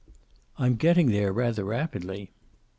"I'm getting there rather rapidly."